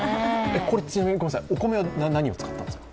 これ、お米は何を使ったんですか？